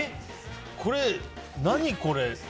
これ、何これ？